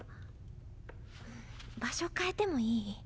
場所変えてもいい？